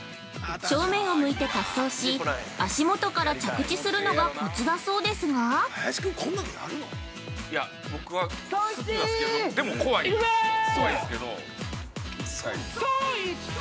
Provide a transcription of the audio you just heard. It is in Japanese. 正面を向いて滑走し、足元から着地するのがコツだそうですが◆創一、行くぞ！